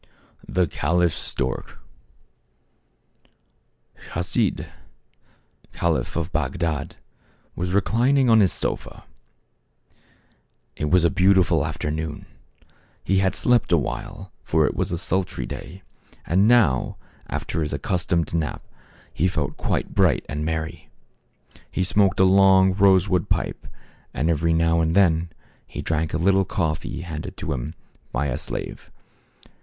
THE CAB AVAN. 87 THE CALIPH STORK. HASID, Caliph of Bagdad, was reclining on his sofa. It was a beautiful afternoon. He had slept awhile, for it was a sultry day ; and now, after his accus tomed nap, he felt quite bright and merry. He smoked a long, rosewood pipe and every now and then he drank a little coffee handed to him by a slave.